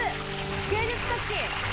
芸術作品。